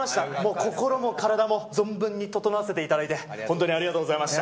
心も体も、存分にととのわせていただいて、本当にありがとうございました。